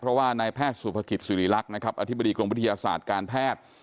เพราะว่านายแพทย์สูภาคิตสุริรักษณ์อธิบดีกรงพฤศาสตร์การแพทย์